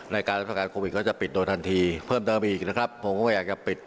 ในการปิดโดยทันทีเพิ่มตามอีกนะครับผมก็ไม่อยากจะปิด